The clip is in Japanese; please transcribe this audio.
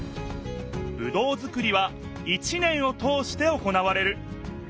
ぶどうづくりは一年を通して行われる。